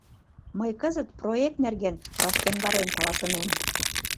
Мый кызыт проект нерген рашкемдарен каласынем.